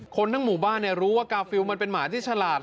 คนทั้งหมู่บ้านรู้ว่ากาฟิลมันเป็นหมาที่ฉลาด